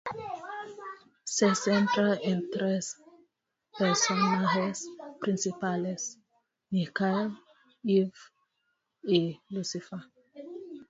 Se centra en tres personajes principales, Michael, Eve y Lucifer.